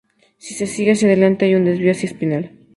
Si se sigue hacia adelante, hay un desvío hacia Espinal.